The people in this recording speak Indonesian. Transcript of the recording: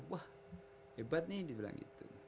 wah hebat nih dibilang itu